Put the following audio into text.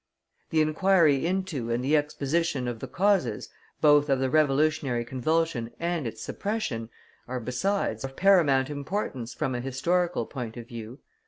The inquiry into, and the exposition of, the causes, both of the revolutionary convulsion and its suppression, are, besides, of paramount importance from a historical point of view.